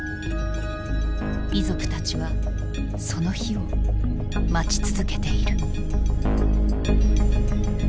遺族たちはその日を待ち続けている。